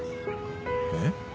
えっ？